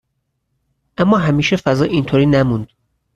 اما همیشه فضا اینطوری نموند.